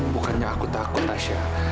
bukannya aku takut tasya